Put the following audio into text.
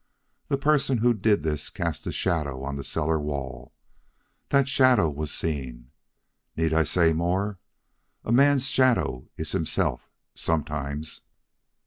The person who did this cast a shadow on the cellar wall, that shadow was seen. Need I say more? A man's shadow is himself sometimes."